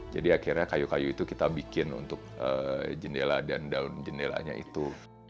jadi akhirnya kayu kayu itu kita bikin untuk jendela dan daun jendelanya itu